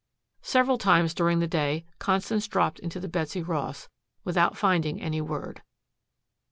Several times during the day Constance dropped into the Betsy Ross, without finding any word.